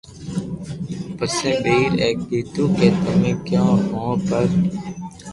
پسي ٻيئر اي ڪآدو ڪي تمو ڪيو ھون پر